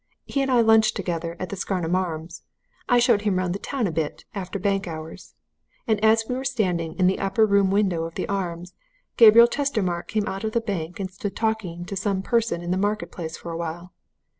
He and I lunched together at the Scarnham Arms. I showed him round the town a bit, after bank hours. And as we were standing in the upper room window of the Arms, Gabriel Chestermarke came out of the bank and stood talking to some person in the Market Place for awhile.